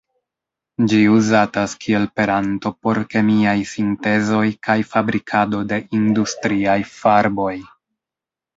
Ĝi uzatas kiel peranto por kemiaj sintezoj kaj fabrikado de industriaj farboj.